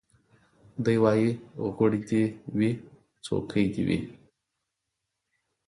دی وايي غوړي دي وي څوکۍ دي وي